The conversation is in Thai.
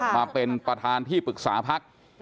มาเป็นประธานที่ปรึกษาพัก